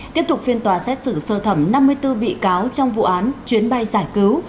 tiếp tục phiên tòa xét xử sơ thẩm năm mươi bốn bị cáo trong vụ án chuyến bay giải cứu